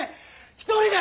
一人で！